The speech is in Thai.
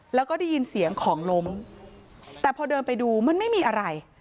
แล้วก็ได้ยินเสียงของล้มแต่พอเดินไปดูมันไม่มีอะไร